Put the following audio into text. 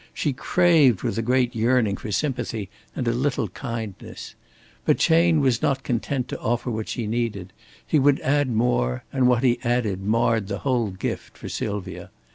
She craved with a great yearning for sympathy and a little kindness. But Chayne was not content to offer what she needed. He would add more, and what he added marred the whole gift for Sylvia.